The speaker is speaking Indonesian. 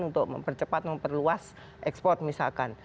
untuk mempercepat memperluas ekspor misalkan